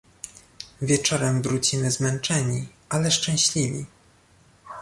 "Wieczorem wrócimy zmęczeni ale szczęśliwi."